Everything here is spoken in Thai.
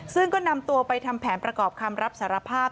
ซึ่งก็นำตัวไปทำแผนประกอบคำรับสารภาพ